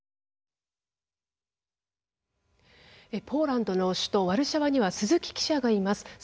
ポーランドの首都ワルシャワには鈴木記者がいます。